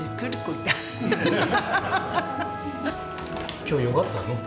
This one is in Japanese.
今日よかったの。